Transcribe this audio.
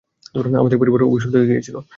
আমাদের পরিবার অভিশপ্ত হয়েছিল।